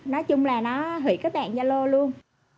nói chung là nó hủy cái mạng zalo luôn